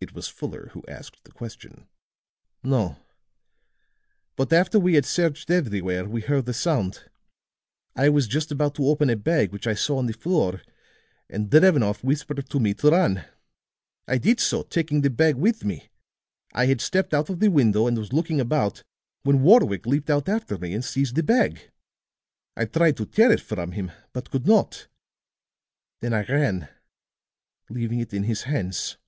It was Fuller who asked the question. "No; but after we had searched everywhere, we heard a sound; I was just about to open a bag which I saw on the floor and Drevenoff whispered to me to run. I did so, taking the bag with me. I had stepped out of the window and was looking about, when Warwick leaped out after me and seized the bag. I tried to tear it from him, but could not. Then I ran, leaving it in his hands."